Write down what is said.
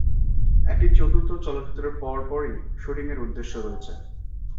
এটি চতুর্থ চলচ্চিত্রের পরপরই শুটিং এর উদ্দেশ্য রয়েছে।